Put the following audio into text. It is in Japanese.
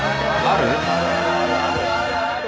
ある？